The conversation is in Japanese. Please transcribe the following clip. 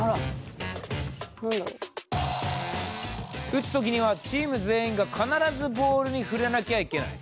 打つ時にはチーム全員が必ずボールに触れなきゃいけない。